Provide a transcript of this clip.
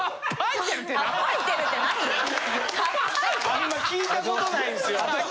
あんま聞いたことないですよ。